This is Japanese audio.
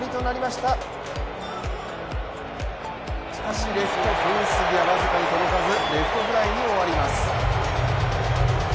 しかし、レフトフェンス際、僅かに届かずレフトフライに終わります。